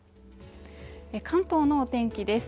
関東のお天気です